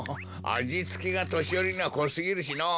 あじつけがとしよりにはこすぎるしのう。